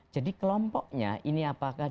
jadi tampaknya ini apakah